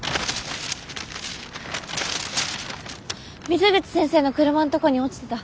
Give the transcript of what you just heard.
水口先生の車のとこに落ちてた。